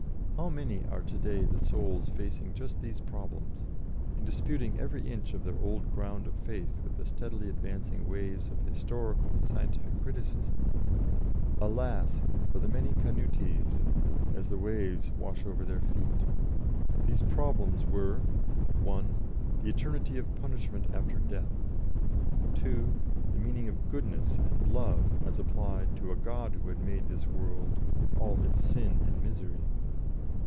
How many are to day the souls facing just these problems, and disputing every inch of their old ground of faith with the steadily advancing waves of historical and scientific criticism! Alas! for the many Canutes, as the waves wash over their feet. These problems were: (1) The eternity of punishment after death. (2) The meaning of "goodness" and "love," as applied to a God who had made this world, with all its sin and misery.